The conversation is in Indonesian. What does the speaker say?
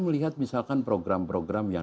melihat misalkan program program yang